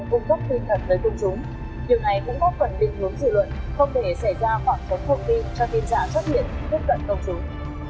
không để xảy ra khoảng khống thông tin cho tin giả xuất hiện gấp cận công chúng